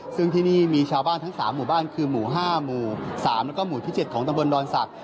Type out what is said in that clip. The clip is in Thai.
ซึ่งที่นี่มีชาวบ้านทั้ง๓หมู่บ้านคือหมู่๕หมู่๓แล้วก็หมู่ที่๗ของตำบลดอนศักดิ